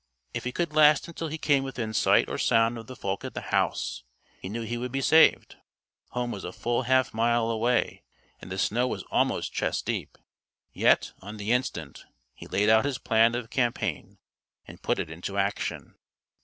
If he could last until he came within sight or sound of the folk at the house, he knew he would be saved. Home was a full half mile away and the snow was almost chest deep. Yet, on the instant, he laid out his plan of campaign and put it into action.